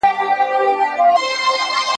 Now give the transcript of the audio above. آیا دا ستاسو د خوښې کتاب دی؟